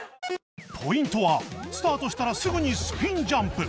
ポイントはスタートしたらすぐにスピンジャンプ